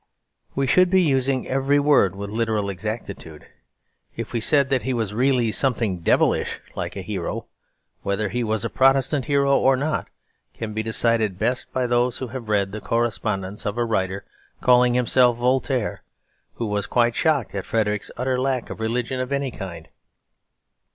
We should be using every word with literal exactitude if we said that he was really something devilish like a hero. Whether he was a Protestant hero or not can be decided best by those who have read the correspondence of a writer calling himself Voltaire, who was quite shocked at Frederick's utter lack of religion of any kind.